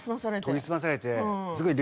研ぎ澄まされて。